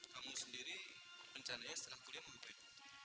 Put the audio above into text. kamu sendiri rencananya setelah kuliah mau bebek